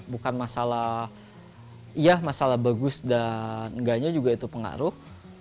bukan masalah ya masalah bagus dan enggaknya juga itu pengaruh